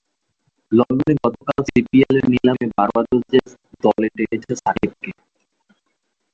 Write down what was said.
লন্ডনে গতকাল সিপিএলের নিলামে বার্বাডোজ যে দলে টেনেছে সাকিবকে।